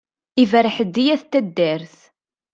Iberreḥ-d i At taddart.